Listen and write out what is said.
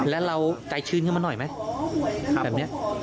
อืมแล้วเราใจชื้นขึ้นมาหน่อยไหม